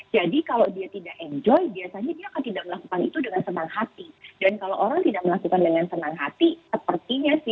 jadi kalau dia tidak enjoy biasanya dia akan tidak melakukan itu dengan senang hati